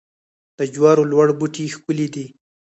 د جوارو لوړ بوټي ښکلي دي.